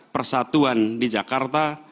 persatuan di jakarta